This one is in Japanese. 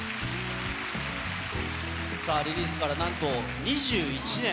さあ、リリースからなんと２１年。